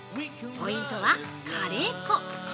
ポイントはカレー粉！